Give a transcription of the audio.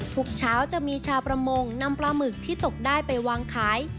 ทุกเช้าจะมีชาวประมงนำปลาหมึกที่ตกได้ไปวางขาย